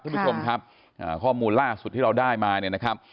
คุณผู้ชมครับข้อมูลล่าสุดที่เราได้มาเนี่ยนะครับ